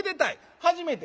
初めて。